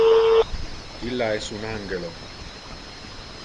Illa es un angelo.